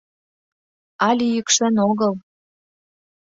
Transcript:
Але йӱкшен огыл...